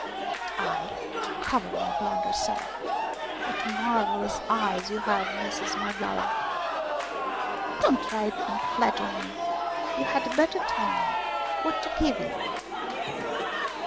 But I, to cover my blunder, said : "What marvellous eyes you have, Mistress Marghioala !"" Don't try and flatter me ; you had better tell me what to give you."